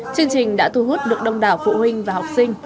chương trình đã thu hút được đông đảo phụ huynh và học sinh